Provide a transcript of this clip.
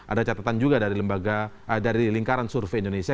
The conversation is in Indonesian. ada catatan juga dari lingkaran survei indonesia